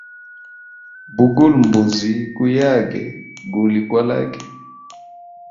Bugula mbuzi guyage, gulikwalage.